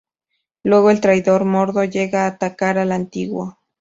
Luego el traidor Mordo llega a atacar al antiguo.